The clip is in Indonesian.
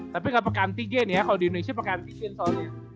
tapi gak pake anti gain ya kalo di indonesia pake anti gain soalnya